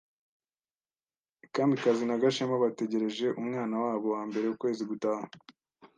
Kamikazi na Gashema bategereje umwana wabo wambere ukwezi gutaha.